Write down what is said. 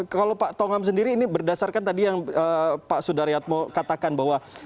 kalau pak tongam sendiri ini berdasarkan tadi yang pak sudaryatmo katakan bahwa